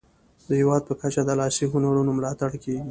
د هیواد په کچه د لاسي هنرونو ملاتړ کیږي.